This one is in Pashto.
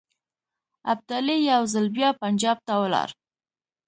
ابدالي یو ځل بیا پنجاب ته ولاړ.